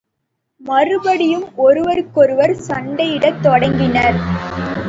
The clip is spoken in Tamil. மறுபடியும் ஒருவருக்கொருவர் சண்டையிடத் தொடங்கினர்.